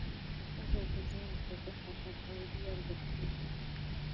د ښځو او کوچنیانو حقوق او فرهنګي ارزښتونه.